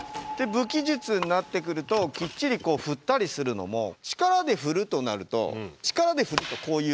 武器術になってくるときっちり振ったりするのも力で振るとなると力で振るとこういう。